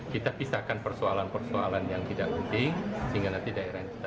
kita pisahkan persoalan persoalan yang tidak penting sehingga nanti daerahnya